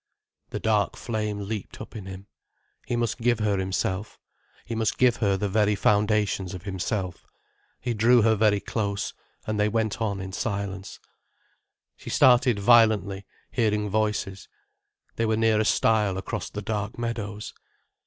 The dark flame leaped up in him. He must give her himself. He must give her the very foundations of himself. He drew her very close, and they went on in silence. She started violently, hearing voices. They were near a stile across the dark meadows.